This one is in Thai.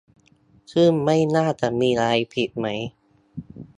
ซึ่งไม่น่าจะมีอะไรผิดไหม ?